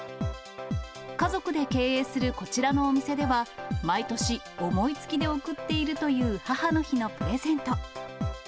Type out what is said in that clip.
家族で経営するこちらのお店では、毎年、思いつきで贈っているという母の日のプレゼント。